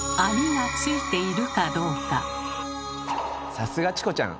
さすがチコちゃん！